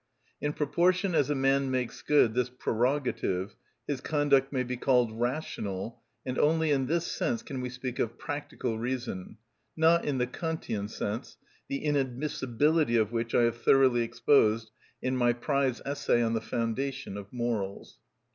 In proportion as a man makes good this prerogative his conduct may be called rational, and only in this sense can we speak of practical reason, not in the Kantian sense, the inadmissibility of which I have thoroughly exposed in my prize essay on the foundation of morals.